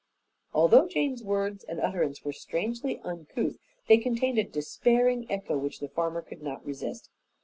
Although Jane's words and utterance were strangely uncouth, they contained a despairing echo which the farmer could not resist.